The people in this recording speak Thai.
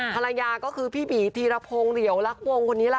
ภรรยาก็คือพี่บีทีระโพงเหลวรักวงคนนี้แหละค่ะ